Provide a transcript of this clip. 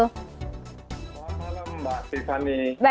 selamat malam mbak tiffany